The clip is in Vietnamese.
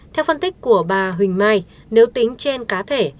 theo phân tích của bà huỳnh mai nếu tính trên cá thể